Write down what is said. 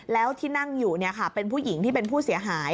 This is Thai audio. แล้วที่นั่งอยู่เป็นผู้หญิงที่เป็นผู้เสียหาย